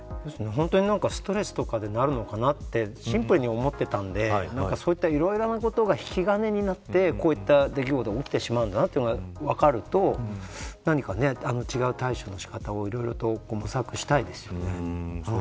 本当にストレスとかでなるのかなってシンプルに思ってたんでそういった、いろいろなことが引き金になってこういった出来事が起きてしまうんだなということが分かると何か違う対処の仕方をいろいろと模索したいですよね。